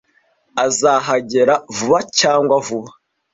Azahagera vuba cyangwa vuba.